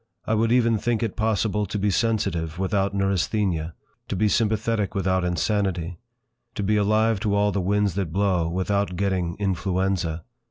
I would even think it possible to be sensitive without neurasthenia, to be sympathetic without insanity, to be alive to all the winds that blow without getting influenza.